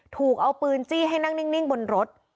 ถูกเอาปืนจี้ให้นั่งนิ่งบนรถ